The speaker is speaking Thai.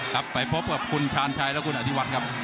ครับไปพบกับคุณชาญชัยและคุณอธิวัฒน์ครับ